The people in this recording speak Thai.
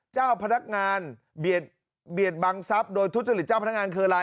เจ้าพนักงานเบียดบังทรัพย์โดยทุจริตเจ้าพนักงานคืออะไร